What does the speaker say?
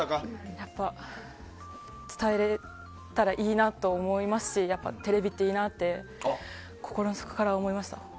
やっぱり伝えられたらいいなって思いますしテレビっていいなって心の底から思いました。